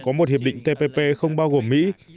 có một hiệp định tpp không bao gồm mỹ